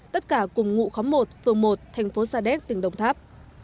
tất cả cùng ngụ khóm một phường một thành phố sa đéc tỉnh đồng tháp